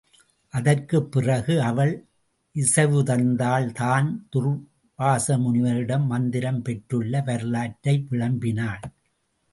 அதற்குப்பிறகு அவள் இசைவுதந்தாள் தான் துர்வாச முனிவனிடம் மந்திரம் பெற்றுள்ள வரலாற்றை விளம்பினாள்.